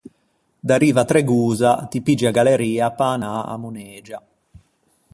Da Riva Tregosa ti piggi a galleria pe anâ à Monegia.